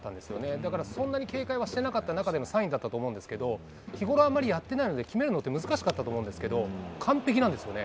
だからそんなに警戒してなかった中でのサインだったと思うんですが日頃あまりやっていないので決めるの難しかったと思いますが完璧なんですよね。